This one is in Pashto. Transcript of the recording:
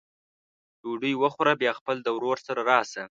ډوډۍ وخوره بیا خپل د ورور سره راسه!